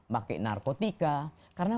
pakai narkotika karena